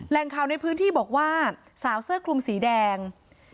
ข่าวในพื้นที่บอกว่าสาวเสื้อคลุมสีแดง